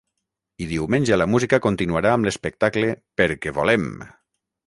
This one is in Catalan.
I diumenge la música continuarà amb l’espectacle Perquè volem!